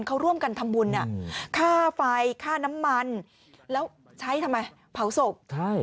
เขาร่วมกันทำบุญค่าไฟค่าน้ำมันแล้วใช้ทำไมเผาศพใช่